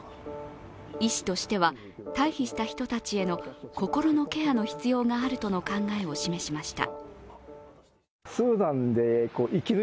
医師としては退避した人たちへの心のケアの必要があるとの考えを示しました。